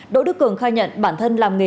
đỗ đức cường khai nhận bản thân làm nghi vấn